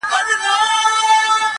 • خلکو اسلام دی درته راغلی -